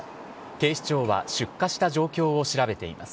警視庁は出火した状況を調べています。